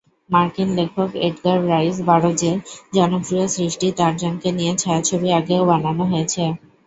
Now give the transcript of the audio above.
মার্কিন লেখক Edgar rice বারোজের জনপ্রিয় সৃষ্টি টারজানকে নিয়ে ছায়াছবি আগেও বানানো হয়েছে।